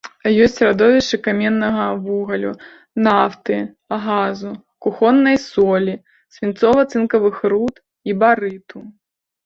Ёсць радовішчы каменнага вугалю, нафты, газу, кухоннай солі, свінцова-цынкавых руд і барыту.